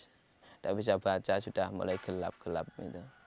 tidak bisa baca sudah mulai gelap gelap